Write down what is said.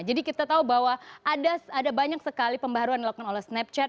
jadi kita tahu bahwa ada banyak sekali pembaruan dilakukan oleh snapchat